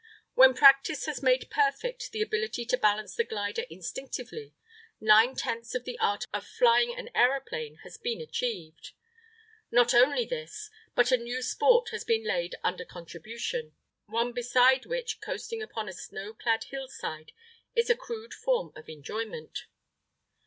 When practice has made perfect the ability to balance the glider instinctively, nine tenths of the art of flying an aeroplane has been achieved. Not only this, but a new sport has been laid under contribution; one beside which coasting upon a snow clad hillside is a crude form of enjoyment.